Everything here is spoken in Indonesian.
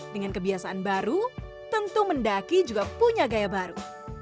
dengan kebiasaan baru tentu mendaki juga punya gaya baru